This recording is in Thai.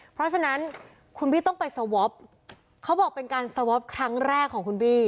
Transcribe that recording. เพราะฉะนั้นคุณบี้ต้องไปสวอปเขาบอกเป็นการสวอปครั้งแรกของคุณบี้